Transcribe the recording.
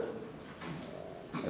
đây là câu hỏi